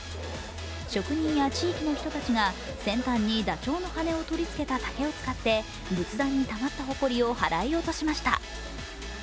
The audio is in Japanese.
職人や地域の人たちが先端にだちょうの羽根を取り付けた竹を使って仏壇にたまったほこりを払い落としました。